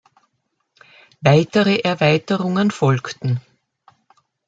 Weitere Erweiterungen folgten.